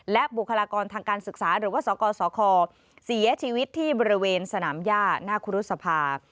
และบุคลากรทางการศึกษาหรือว่าสกสคเสียชีวิตที่บริเวณสนามย่าหน้าคุรุษภา